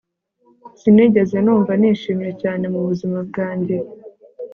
Sinigeze numva nishimye cyane mubuzima bwanjye